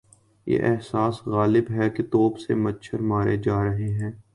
یہ احساس غالب ہے کہ توپ سے مچھر مارے جا رہے ہیں۔